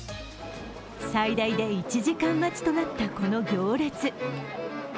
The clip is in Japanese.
最大で１時間待ちとなったこの行列。